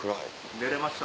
寝れました